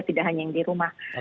tidak hanya yang di rumah